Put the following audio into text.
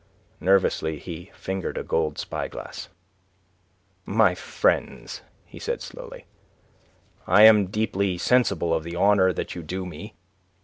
Nervously he fingered a gold spy glass. "My friends," he said, slowly, "I am deeply sensible of the honour that you do me.